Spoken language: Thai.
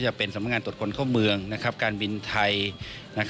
อย่างเป็นสัมพงังงานตนตรงกับเมืองการบินไทย